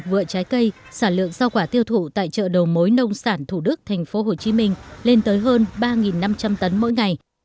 vượi trái cây sản lượng do quả tiêu thụ tại chợ đồ mối nông sản thủ đức thành phố hồ chí minh lên tới hơn ba năm trăm linh tấn mỗi ngày